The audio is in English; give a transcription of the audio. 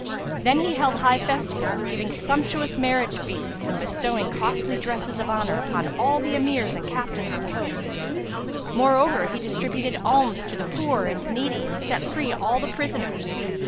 Then he held high festival, giving sumptuous marriage feasts and bestowing costly dresses of honour upon all the Emirs and Captains of the host; moreover he distributed alms to the poor and needy and set free all the prisoners.